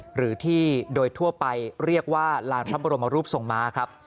หรือที่โดยทั่วไปเรียกว่าลานพระบรมรูปทรงม้าครับ